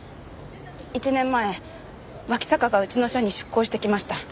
１年前脇坂がうちの社に出向してきました。